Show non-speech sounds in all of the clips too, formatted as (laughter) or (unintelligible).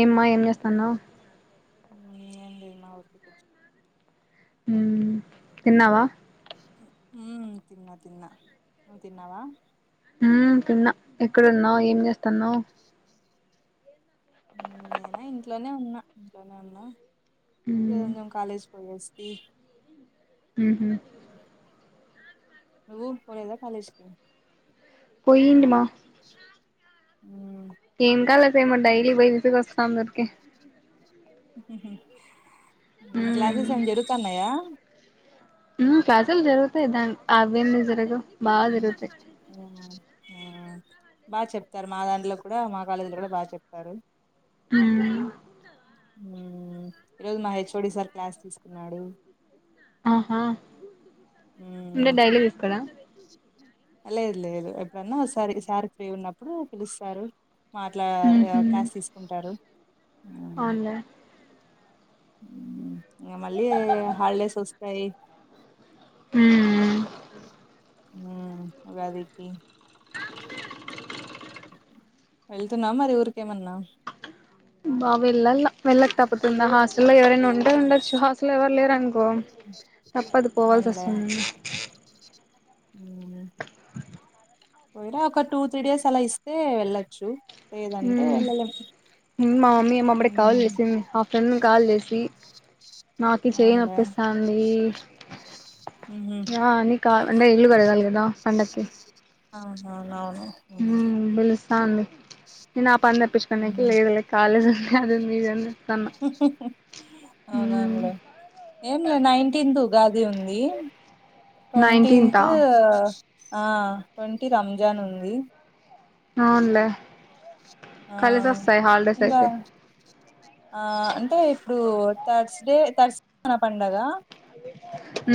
ఏమ్మా ఏం చేస్తున్నావు ఏండి మా ఓక తిన్నావా హ తిన్నా తిన్నా ను తిన్నావా తిన్నా ఎక్కడున్నావు ఏం చేస్తునావ్ నేనా ఇంట్లోనే ఉన్నా ఇంట్లోనే ఉన్నా మ్మ్ కాలేజ్ పోయి వసతి హ నువ్ పోలేదా కాలేజ్కి పోయింటమా ఉమ్, ఏం కాలేజీ స ఏమ ఏం డైలీ చే- బయసిక వస్తాం సరికి మ్మ్ క్లాసెస్ ఏ జరుగుతుాన్నాయా అసలు జరుగుతాయి దానికి ఆ అవన్నీ జరగవు బాగా జరుగుతాయి ఆ బాగా చెప్తారు మా దాంట్లో కూడా మా కాలేజీలో కూడా బాగా చెప్తారు మ్మ్ ఈరోజు మా హెచ్ఓడి సార్ క్లాస్ తీసుకున్నాడు ఉమ్, ఇే డైలీ తీసుకోడా లేదు లేదు ఎప్పుడన్నాసారి సార్ ఫ్రీ ఉన్నప్పుడు పిలుస్తారు మాట్లా క్లాస్ తీసుకుంటారు ఉమ్, అవున్లేన్ మళ్ళీ హల్డేస్ వస్తతాయి మ్మ్ ఉగాదికి వెళ్తున్నా మరి ఊరికేమన్నా వెళ్ళ వెళ్ళక తప్పతుందా హాస్టల్లో ఎవరైనా ఉండే ఉండొచ్చు హాస్టల్ ఎవరు లేరు పొ తప్పదు పోవాల్సి అవునులే వస్తుంది పోయిరా ఒక టూ త్రీ డేస్ అలా ఇస్తే వెళ్ళచ్చు లేదంటే ఉమ్ వెళ్ళలేం మా మమ్మీ కాల్ ఉమ్ చేసి ఆఫ్టర్నూన్ కాల్ చేసి నాకు చేయి అవునులే నొప్పిస్తంది ఉహు ఆ ని కా అంటే ఇల్లు కడగాలి కదా పండక్కి అవును అవును అవును అ ఉంది నేను ఆ పని తప్పించుకోడానికి ఉహు లేదు లే కాలేజ్ ఉంది అది ఉంది ఇది ఉంది హు హు అవునవును ఉమ్ లే ఏంలే నైన్టీన్గా అది ఉంది నైన్టీన్తా ట్వంటీన్త్ ఆ ట్వంటీ రంజాన్ ఉంది అవునులే ఆ కలిసి వస్తాయి హాలిడేస్ ఇంకా అయితే ఆ అంటే ఇప్పుడు తర్స్ డే తర్స్ డే న పండగ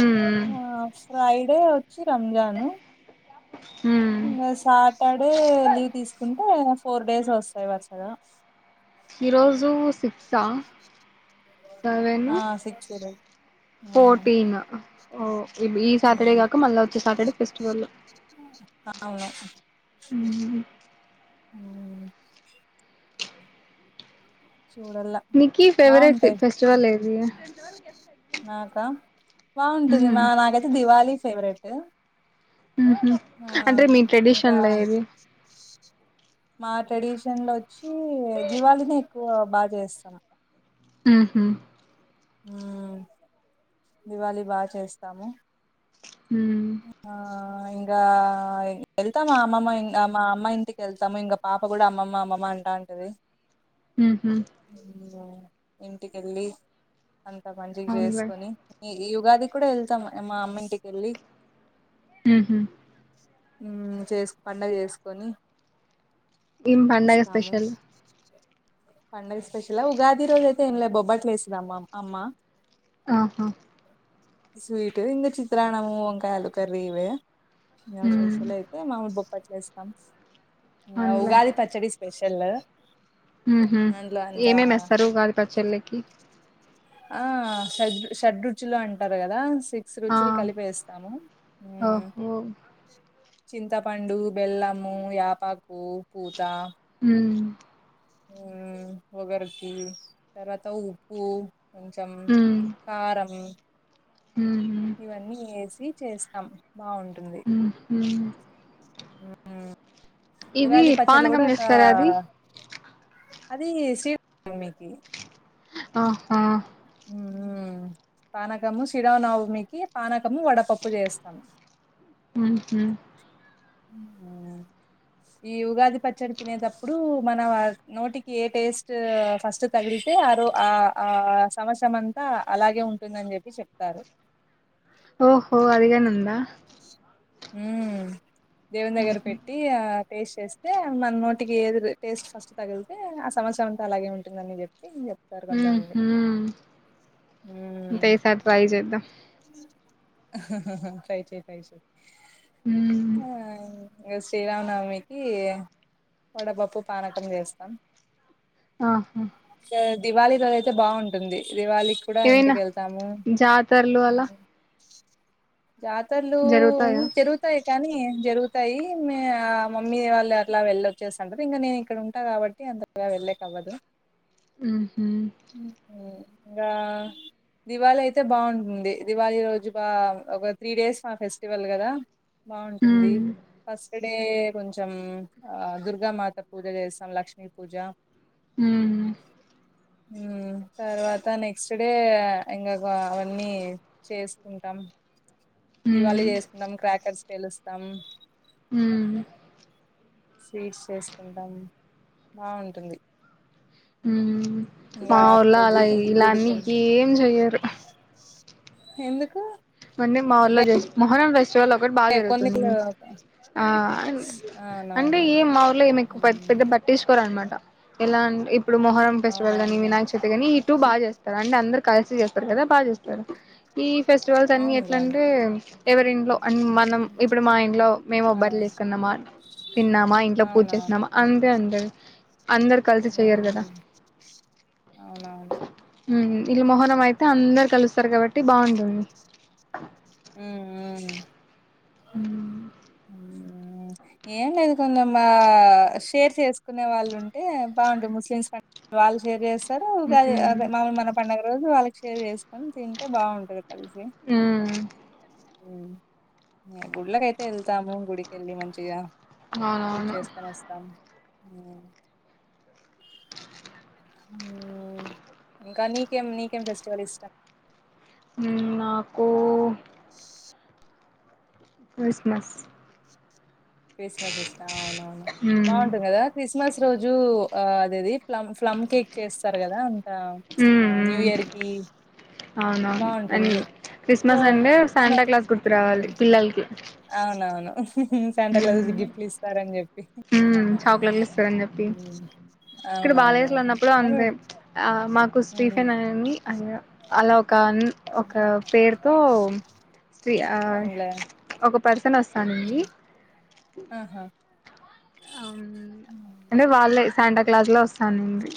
ఉమ్ ఆ ఫ్రైడే వచ్చి రంజాన్ ఉమ్ సాటర్డే లీవ్ తీసుకుంటే ఫోర్ డేస్ వస్తాయి వరుసగా ఈరోజు సిక్సా సెవెను ఆ సిక్స్ డేస్ ఉమ్ ఫోర్టీన్ ఓ ఈ సాటర్డే ఉమ్ గాక మళ్ళా వచ్చే సాటర్డే ఫెస్టివల్ అవును ఉమ్ ఉ చూడల్లా నీకి ఫేవరెట్ బాగుంటాయి ఫెస్టివల్ ఏది నాకా బాగుంటుంది మ్మ్ మా నాకైతే దీవాలి ఫేవరెట్ ఉహు ఆ అంటే మీ ఇంకా ట్రెడిషనల్ లో ఏది మా ట్రెడిషన్లో వచ్చి దివాళిని ఎక్కువ బాగా చేస్తాం ఉహు ఉ దివాళి బాగా చేస్తాము హు ఆ ఇంకా వెళ్తాము మా అమ్మమ్మ మా అమ్మ ఇంటికి వెళ్తాము ఇంకా పాప కూడా అమ్మమ్మ అమ్మమ్మ అంటా అది ఉహు ఉ ఇంటికెళ్ళి అంత మంచిగా అవునులే చేసుకొని ఈ ఈ ఉగాది కూడా వెళ్తాం మా అమ్మ ఇంటికి వెళ్ళి ఉహు ఊ చేసు పండగ చేసుకొని ఏం పండగ వస్తాము స్పెషల్ పండగ స్పెషల్ ఉగాది రోజు అయితే ఏం లే బొబ్బట్లు వేస్తుంది అమ్మా ఆహా స్వీట్ ఇంక చిత్రాన్నాము వంకాయ ఆలు కర్రీ ఇవే ఇంగ మ్మ్ స్పెషల్ అయితే మామిడి బొప్పట్లు వేస్తాం ఇంగ ఉగాది పచ్చడి స్పెషల్ తెల్లగా ఉహు ఏమేమి వేస్తారు ఉగాది పచ్చడి లేకి ఆ షడ్ షడ్రుచులు అంటారు కదా సిక్స్ రుచులు కలిపేస్తా ఒహో చింతపండు, బెల్లము, యాపాకు పూత హు ఉమ్ వగరుకి ఉప్పు కొంచెం మ్మ్ కారం మ్హు ఇవన్నీ వేసి చేస్తాం ఉహూ ఉ ఇది ఉగాది పచ్చడి లో పానకం కూడా ఒక చేస్తారా అది అది శ్రీ రామనవమి కి ఆహా ఊ పానకము శ్రీరామ నవమి కి పానకము, వడపప్పు చేస్తాం. ఊహు అమ్మో (inaudible) ఈ ఉగాది పచ్చడి తినేతప్పుడు మన నోటికి ఏ టేస్ట్ ఫస్ట్ తగిలితే ఆ ఓ ఆ ఆ ఆ సంవత్సరమంతా అలాగే ఉంటుందని చెప్పి చెప్తారు ఓహో అదిగానీ ఉందా హూ దేవునిదగ్గర మ్హు పెట్టి ఆ టేస్ట్ చేస్తే మన నోటికి ఏది టేస్ట్ ఫస్ట్ తగిలితే ఆ సంవత్సరమంతా అలాగే ఉంటుందని చెప్పి చెప్ ఊహు అంతే ఈ సారి ట్రై చేద్దాం అహ హ హ ట్రై చెయ్ ట్రై చెయ్ ఉమ్ ఆ ఇగ శ్రీరామనవమికి వడపప్పు, పానకం చేస్తాం. ఆహా దివాళీ రోజు అయితే బాగుంటుంది దివాలి కూడ ఏవైనా ఇంటికి వెళ్తాము (unintelligible) జాతరలు జరుగుతాయా ఉ జరుగుతాయి కానీ జరుగుతాయి మ ఆ మమ్మీ వాళ్ళు అట్లా వెళ్ళొచ్చేసింటది ఇంకా నేను ఇక్కడ ఉంటా కాబట్టి అంతగా వెళ్ళేకవ్వదు ఊ హుమ్ ఇంకా దివాళీ అయితే బాగుంటుంది దివాళీ రోజు బ ఒక త్రీ డేస్ మా ఫెస్టివల్ కదా బాగుంటుంది ఉమ్ ఫస్ట్ తే కొంచెం ఆ దుర్గామాత పూజ చేస్తాం లక్ష్మీ పూజ హూమ్ హుమ్ తర్వాత నెక్స్ట డే ఇంకా గా అవన్నీ చేసుకుంటాం దివాళీ ఉమ్ చేసుకుంటాం క్రాకర్స్ పేలుస్తాం హూమ్ స్వీట్స్ చేసుకుంటాం బాగుంటుంది హుమ్ మా ఇంకా ఊర్లో అప్పుడు అలా గుడి ఇలాన్నీ గుడికి ఏం చెయ్యరు ఎందుకు మన్ని మా అంటే ఊళ్ళలో మొహర్రం ఫెస్టివల్ ఒకటి బాగా కొన్ని జరుగుతుంది ఆ అంటే ఏ అవునవునవును మా ఊర్లో మీకు పెద్ద పెద్ద గా పట్టించుకోరు అన్నమాట ఎలా అంటే ఇప్పుడు మొహర్రం ఫెస్టివల్ గాని అవునవునులే వినాయక చవితి గాని ఇ టూ బాగా చేస్తారు అంటే అందరు కలిసి చేస్తారు కదా బాగా చేస్తారు ఈ ఫెస్టివల్స్ అన్ని అవునులే ఎట్లంటే ఎవరి హుమ్ మనం ఇప్పుడు మా ఇంట్లో మేము ఆ బొబ్బట్లు చేసుకున్నామా తిన్నామా ఇంట్లో పూజ అవునవును చేసినమా అంతే ఉంటది అందరు కలిసి చెయ్యరు కదా ఉహు అవునవును హుమ్ వీళ్ళ మొహర్రం అయితే అందరు కలుస్తారు కాబట్టి బాగుంటుంది హూ హూ హుమ్ (unintelligible) ఏం లేదు కొంచెం ఆ షేర్ చేసుకునే వాళ్ళు ఉంటే బాగుండు ముస్లిమ్స్ పాండ్ డగ షేర్ చేస్తారు ఉగాది అదే ఉమ్ మాములు మన పండుగ రోజు వాళ్ళకి షేర్ చేసుకుని తింటే బాగుంటది హుమ్ హుమ్ గుళ్లకైతే వెళ్తాము గుడికెళ్ళి మంచిగా పూజ అవునవును చేసుకొని వస్తాము హుమ్ ఇంకా నీకేం నీకేం ఫెస్టివల్ ఇష్టం హూ నాకు (inaudible) క్రిస్మస్ క్రిస్మస్ ఇష్టము అవునవును ఉమ్ బాగుంటుంది కదా క్రిస్మస్ రోజు ఆ అదది ప్లమ్ ప్లమ్ కేక్ చేస్తారు కదా ఉమ్ ఉమ్ న్యూఇయర్ కి అవునవును అని బాగుంటుంది పో క్రిస్మస్ అంటే నేను శాంటా క్లాస్ గుర్తు రావాలి పిల్లలకి సాంట క్లాస్ ఐతే ఉమ్ గిఫ్ట్లుఇస్తారని చెప్పి ఉమ్ చాక్లెట్లు ఇస్తారని చెప్పి ఇక్కడ అవునవునవును బాలదేశలు ఉన్నప్పుడు అంతే అవును ఆ మాకు స్టీఫెన్ హ్మ్. అనీ అ అలా ఒక ఒక పేరుతో స్ అవునులే ఒక పర్సన్ వస్తానండి ఆహా అ అంటే వాళ్ళే శాంటా క్లాజ్ లో వస్తానండి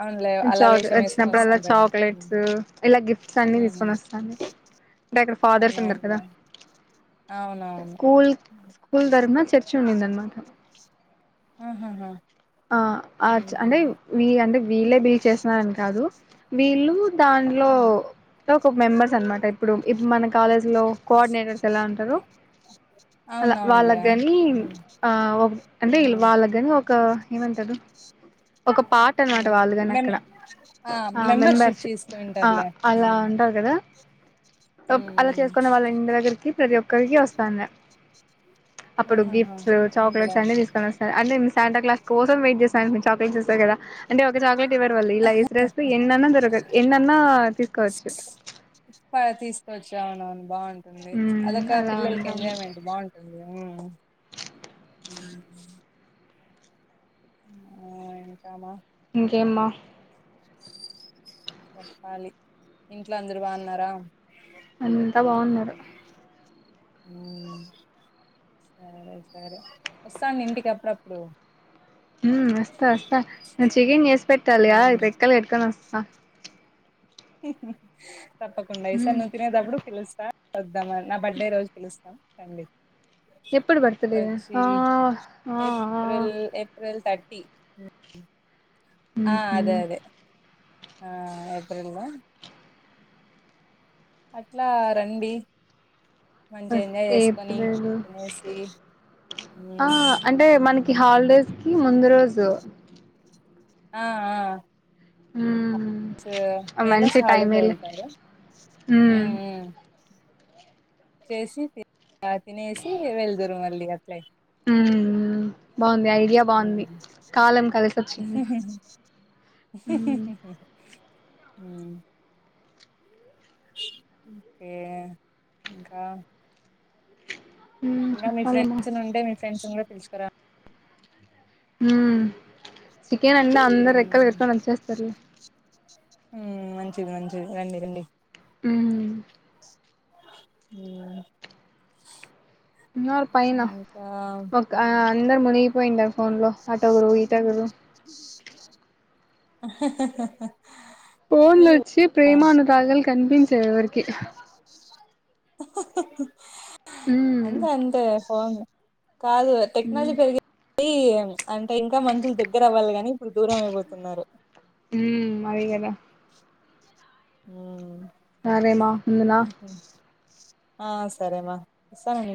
అవునులే అలా చాక్ వేషం వేసుకుని వచ్చినప్పుడు అలా వస్తాంటారు ఉమ్, చాక్లెట్స్ ఇలా గిఫ్ట్స్ అన్ని తీసుకొని ఉమ్, వస్తాను అంటే అక్కడ ఫాదర్స్ ఉన్నారు కదా అవునవునులే అవునవును స్కూల్ స్కూల్ తరపన చర్చి చునిందన్మాట అ హ హ అ ఆచ్ అంటే వీ అంటే వీళ్ళే బిల్ చేస్తున్నారని గాదు వీళ్ళు దాంట్లో అవును ఒక మెంబర్స్ అనమాట ఇప్పుడు ఇప్పుడు మన కాలేజ్ లో కోఆర్డినేటర్స్ ఎలా అంటరు అలా అవునవునులే వాళ్ళక్ గని ఉమ్, ఆ అంటే ఉమ్, వాళ్ళక్ గని ఒక ఏమంటరు ఒక పాట అనమాట ఉమ్. వాళ్ళు గని మెం అక్కడ ఆ మెంబర్షిప్ ఆ అలా ఉంటరు గదా ఉమ్, అలక్ అలా ఉమ్. చేసుకున్న వాళ్ళ ఇంటి దగ్గరికి ప్రతి ఒక్కరికి వస్తాంద అప్పుడు ఆహాహా గిఫ్ట్స్ అవునులే చాక్లెట్స్ అన్ని తీసుకొని వస్తారు అంటే శాంటో క్లాస్ కోసం వెయిట్ చేస్తా అ చాక్లెట్స్ వస్తాయ్ గదా అంటే ఒక చాక్లెట్ వర్ వల్ళు ఇలా ఎసరేస్తే ఎన్నన్నా దొరకద్ ఎన్నన్నా తీసుకోవచ్చు ప తీసుకోవచ్చు అవునవును బాగుంటుంది మ్మ్ అదక అలా పిల్లలకి ఉంటాము ఎంజాయ్మెంట్ బాగుంటుంది గదా ఆ ఊ ఇంకామా ఇంకెమ్మా చెప్పాలి ఇంట్లో అందరు బాగున్నారా అంత బాగున్నారు హ్మ్ సరే సరే వస్తాండు ఇంటికి అప్పుడప్పుడు హ్మ్ వస్తా వస్తా నువ్వు చికెన్ చేేసి పెట్టాలి యా ఉమ్ రెక్కలు కట్కని వస్తా తప్పకుండా ఈ సారీ మ్మ్ నువ్వు తినేటప్పుడు పిలుస్తా వద్దాం నా బర్త్డే రోజు పిలుస్ న కండి ఎప్పుడు బర్త్డే వచ్చి ఆ ఆ ఆ ఏప్రిల్ ఏప్రిల్ తట్ ట్టీ ఆ మ్మ్ హు అదే అదే ఆ ఏప్రిల్ లో అట్లా రండి మంచిగా ఎంజాయ్ చేసుకొని ఏప్రిల్ తినేసి హ్మ్ కి హాలిడేస్ కి ముందు రోజు ఆ ఆ హ్మ్ సా మే లో సాల్దేస్ వదులుతారు హు మ్మ్ హు వచ్చేసి తినేసి వెలుదురు మళ్ళీ అట్లయ్ హ్మ్ బాగుంది ఐడియా బాగుంది ఉమ్ కాలం కలిసి వచ్చింది మ్మ్ హ్మ్ ఇ గా మ్మ్ ఇంగ మీ చెప్పాలమ్మా ఫ్రెండ్స్ ఉంటే మీ ఫ్రెండ్స్ను గూడా పిలుచుకురా హ్మ్ చికెన్ అన్న అందరు రెక్కలు హ్మ్. కట్టుకొని వచ్చేస్తరు హ్మ్ మంచిది మంచిది రండి రండి హ్మ్ ఉ ఉన్నర్ పైనా ఒక అందరు మునిగిపోయిండా ఫోన్ లో ఆటో గరు ఈటో గరు హా హ హ హ పోన్లచ్చి ప్రేమానురాగాలు కనిపించయి ఎవరికి హాహహ మ్మ్ అంతే అంతే ఫోన్ కాదు టెక్నాలజీ మ్మ్ పెరిగి అంటే ఇంకా మనుషులు దగ్గర అవ్వాలి గాని ఇప్పుడు దూరం అయిపోతున్నారు హ్మ్ అదేగదా ఆ సరెమా ఆ సరే మా, సరే